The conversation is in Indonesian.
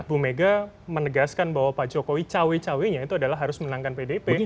bu mega menegaskan bahwa pak jokowi cawe cawenya itu adalah harus menangkan pdp